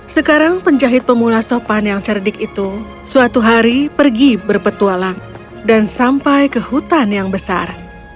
sekarang penjahit pemula sopan yang cerdik itu suatu hari pergi berpetualang dan sampai ke hutan yang besar